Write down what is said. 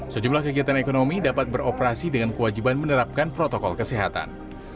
sejumlah kegiatan ekonomi dapat beroperasi dengan kewajiban menerapkan protokol kesehatan